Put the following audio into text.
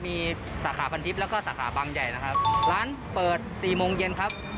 มีสาขาพันทิพย์แล้วก็สาขาบางใหญ่นะครับร้านเปิดสี่โมงเย็นครับ